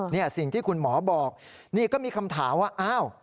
นี่สิ่งที่คุณหมอบอกนี่ก็มีคำถามว่าอ้าว